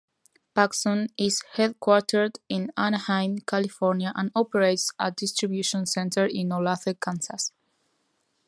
PacSun is headquartered in Anaheim, California and operates a distribution center in Olathe, Kansas.